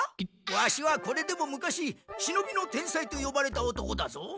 ワシはこれでも昔忍びの天才とよばれた男だぞ？